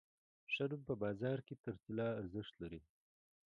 ښه نوم په بازار کې تر طلا ارزښت لري.